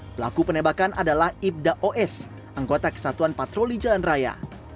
pelaku penembakan adalah ibda os anggota kesatuan patroli jalan raya